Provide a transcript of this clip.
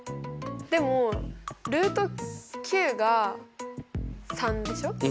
でもが３でしょ。